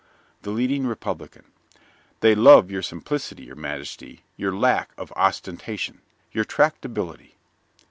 THE LEADING REPUBLICAN They love your simplicity, your majesty, your lack of ostentation, your tractability.